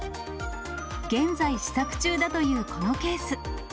現在、試作中だというこのケース。